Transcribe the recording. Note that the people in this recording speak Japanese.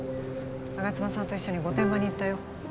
吾妻さんと一緒に御殿場に行ったよ